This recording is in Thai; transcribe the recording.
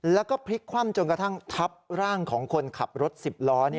แล้วก็พลิกคว่ำจนกระทั่งทับร่างของคนขับรถ๑๐ล้อ